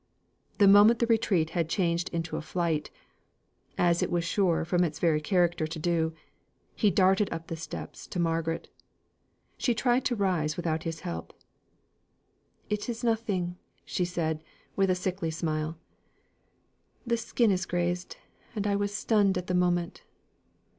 The moment that retreat had changed into a flight (as it was sure from its very character to do), he darted up the steps to Margaret. She tried to rise without his help. "It is nothing," she said, with a sickly smile. "The skin is grazed, and I was stunned at the moment.